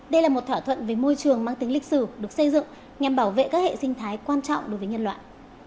đây là một thỏa thuận với môi trường mang tính lịch sử được xây dựng nhằm bảo vệ các hệ sinh thái quan trọng đối với nhân loại